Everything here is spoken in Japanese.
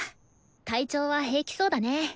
体調は平気そうだね。